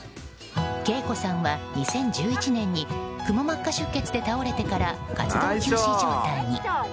ＫＥＩＫＯさんは２０１１年にくも膜下出血で倒れてから活動休止状態に。